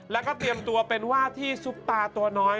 แล้วก็เตรียมตัวเป็นว่าที่ซุปตาตัวน้อย